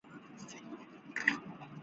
杰宁为周边地区的农业中心。